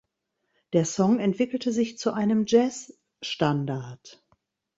Der Song entwickelte sich zu einem Jazzstandard.